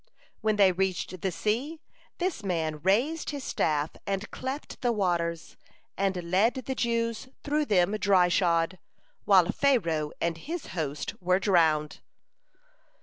When they reached the sea, this man raised his staff, and cleft the waters, and led the Jews through them dryshod, while Pharaoh and his host were drowned.